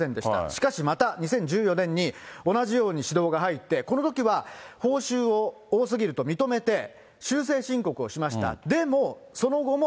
しかしまた、２０１４年に同じように指導が入って、このときは、報酬を多すぎると認めて、修正申告をしました。